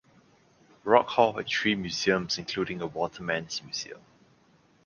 Rock Hall has three museums including a Waterman's museum.